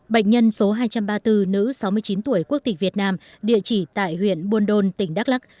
bệnh nhân số hai trăm ba mươi bốn nữ sáu mươi chín tuổi quốc tịch việt nam địa chỉ tại huyện buôn đôn tỉnh đắk lắc